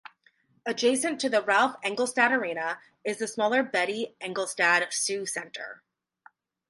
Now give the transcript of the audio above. Adjacent to the Ralph Engelstad Arena is the smaller Betty Engelstad Sioux Center.